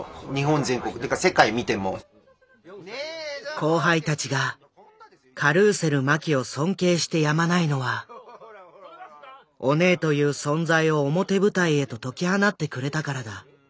後輩たちがカルーセル麻紀を尊敬してやまないのはオネエという存在を表舞台へと解き放ってくれたからだ。